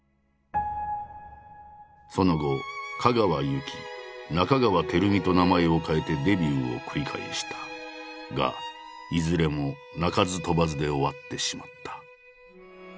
その後「加川有希」「中川輝美」と名前を変えてデビューを繰り返したがいずれも鳴かず飛ばずで終わってしまった。